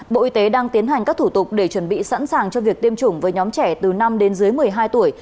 bộ y tế đang tiến hành các thủ tục để chuẩn bị sẵn sàng cho việc tiêm chủng với nhóm trẻ từ năm đến dưới một mươi hai tuổi